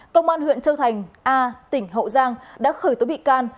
công an huyện châu thành a tỉnh hậu giang đã khởi tố bị can